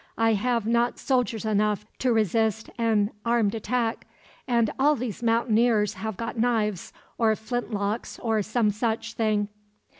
I have not soldiers enough to resist an armed attack; and all these mountaineers have got knives or flint locks or some such thing."